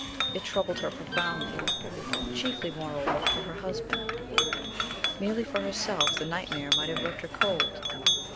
It troubled her profoundly. Chiefly, moreover, for her husband. Merely for herself, the nightmare might have left her cold.